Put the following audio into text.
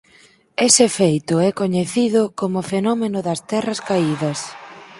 Ese feito é coñecido como o fenómeno das terras caídas.